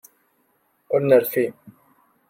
Ur nerfi.